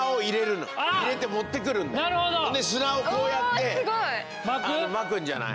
砂をこうやってまくんじゃない？